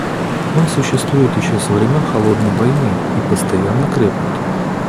Он существует еще со времен «холодной войны» и постоянно крепнет.